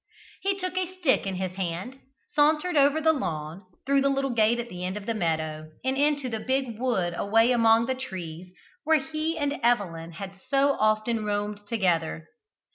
He took a stick in his hand, sauntered over the lawn, through the little gate at the end of the meadow, and into the big wood away among the trees, where he and Evelyn had so often roamed together.